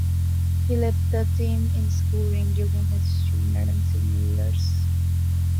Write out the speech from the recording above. He led the team in scoring during his junior and senior years.